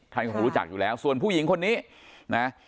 ท่านคงรู้จักอยู่แล้วส่วนผู้หญิงคนนี้นะ